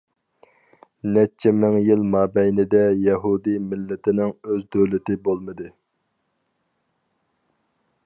نەچچە مىڭ يىل مابەينىدە يەھۇدىي مىللىتىنىڭ ئۆز دۆلىتى بولمىدى.